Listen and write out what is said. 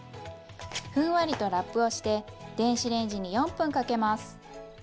ふんわりとラップをして電子レンジに４分かけます。